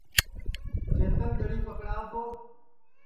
چیتن دؔڑی پکڑاو تو